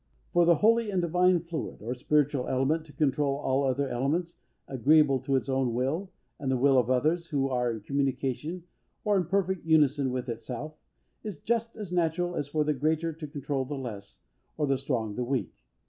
For the holy and divine fluid, or spiritual element, to control all other elements, agreeable to its own will, and the will of others, who are in communication or in perfect unison with itself, is just as natural as for the greater to control the less, or the strong the weak.